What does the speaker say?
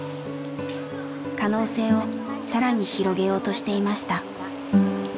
可能性を更に広げようとしていました。